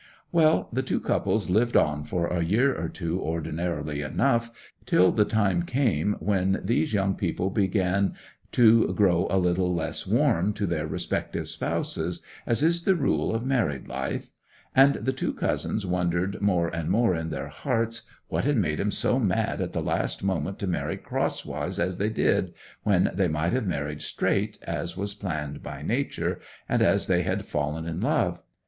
'Well, the two couples lived on for a year or two ordinarily enough, till the time came when these young people began to grow a little less warm to their respective spouses, as is the rule of married life; and the two cousins wondered more and more in their hearts what had made 'em so mad at the last moment to marry crosswise as they did, when they might have married straight, as was planned by nature, and as they had fallen in love.